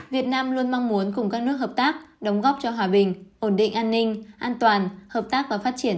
việt nam luôn mong muốn cùng các nước hợp tác đóng góp cho hòa bình ổn định an ninh an toàn hợp tác và phát triển